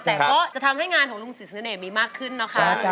แต่ก็จะทำให้งานของลุงสิทเสน่ห์มีมากขึ้นนะคะ